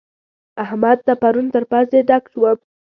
احمد ته پرون تر پزې ډک شوم.